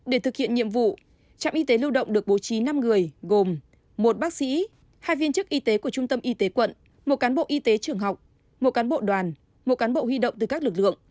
để thực hiện nhiệm vụ trạm y tế lưu động được bố trí năm người gồm một bác sĩ hai viên chức y tế của trung tâm y tế quận một cán bộ y tế trường học một cán bộ đoàn một cán bộ huy động từ các lực lượng